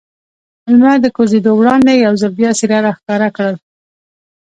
لمر له کوزېدو وړاندې یو ځل بیا څېره را ښکاره کړل.